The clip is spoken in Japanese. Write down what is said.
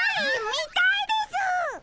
みたいです！